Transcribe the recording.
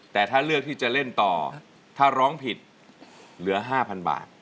แต่ถ้าเลือกที่จะเล่นต่อถ้าร้องผิดเหลือ๕๐๐๐บาท